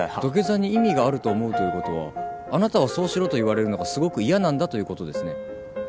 土下座に意味があると思うということはあなたはそうしろと言われるのがすごく嫌なんだということですね。